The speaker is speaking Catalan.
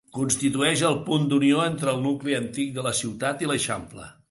Constitueix el punt d'unió entre el nucli antic de la ciutat i l'Eixample.